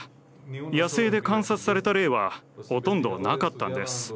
野生で観察された例はほとんど無かったんです。